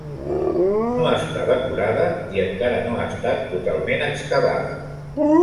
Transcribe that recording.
No està decorada i encara no ha estat totalment excavada.